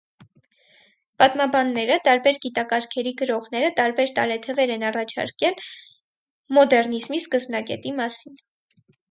Պատմաբանները, տարբեր գիտակարգերի գրողները տարբեր տարեթվեր են առաջարկել մոդեռնիզմի սկզբնակետի համար։